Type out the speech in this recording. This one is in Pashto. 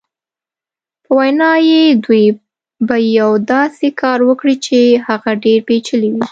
په وینا یې دوی به یو داسې کار وکړي چې هغه ډېر پېچلی وي.